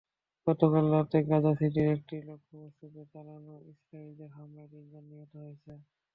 গতকাল রাতে গাজা সিটির একটি লক্ষ্যবস্তুতে চালানো ইসরায়েলি হামলায় তিনজন নিহত হয়েছে।